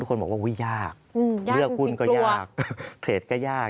ทุกคนบอกว่ายาก